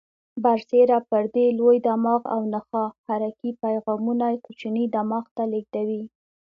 برسیره پر دې لوی دماغ او نخاع حرکي پیغامونه کوچني دماغ ته لېږدوي.